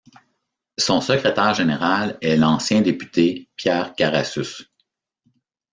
Son secrétaire général est l'ancien député Pierre Carassus.